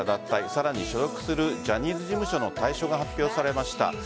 さらに所属するジャニーズ事務所の退所が発表されました。